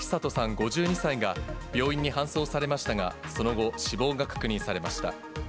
５２歳が、病院に搬送されましたが、その後、死亡が確認されました。